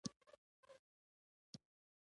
همدا وجه ده، چې موږ د تخیل مخلوق یو.